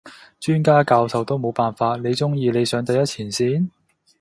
專家教授都冇辦法，你中意你上第一前線？